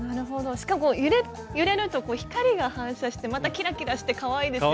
しかも揺れると光が反射してまたキラキラしてかわいいですね。